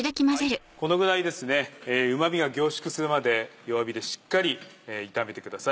このぐらいうま味が凝縮するまで弱火でしっかり炒めてください。